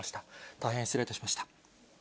大変失礼いたしました。